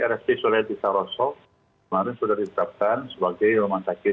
jadi rspi sulianti saroso kemarin sudah ditetapkan sebagai rumah sakit